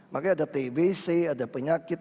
makanya ada tbc ada penyakit